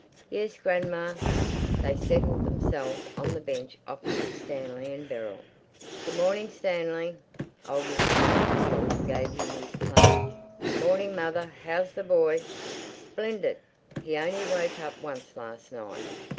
"Yes, grandma." They settled themselves on the bench opposite Stanley and Beryl. "Good morning, Stanley!" Old Mrs. Fairfield gave him his plate. "Morning, mother! How's the boy?" "Splendid! He only woke up once last night.